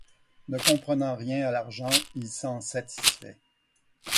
Ne comprenant rien à l'argent, il s'en satisfait.